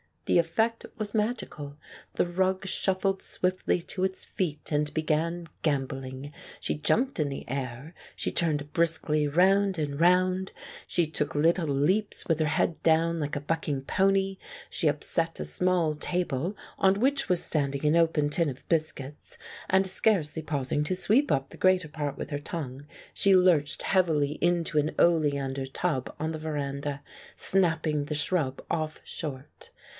The effect was magical. The rug shuffled swiftly to its feet, and began gambolling. She jumped in the air, she turned briskly round and round, she took little leaps with her head down like a bucking pony, she upset a small table on which was standing an open tin of biscuits, and scarcely pausing to sweep up the greater part with her tongue she lurched heavily into an oleander tub on the veranda, snapping the shrub off short.